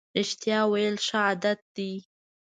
رښتیا ویل ښه عادت دی.